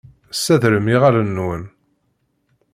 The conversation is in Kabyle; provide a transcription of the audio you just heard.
Tessadrem iɣallen-nwen.